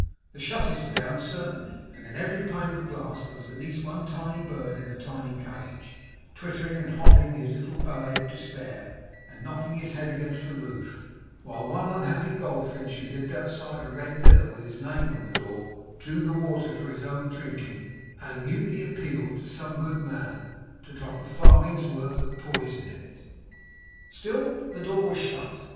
The shutters were down certainly; and in every pane of glass there was at least one tiny bird in a tiny bird cage, twittering and hopping his little ballet of despair, and knocking his head against the roof; while one unhappy goldfinch who lived outside a red villa with his name on the door, drew the water for his own drinking, and mutely appealed to some good man to drop a farthing's worth of poison in it. Still, the door was shut.